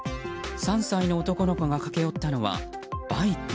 ３歳の男の子が駆け寄ったのはバイク。